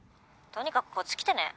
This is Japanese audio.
とにかくこっち来てね。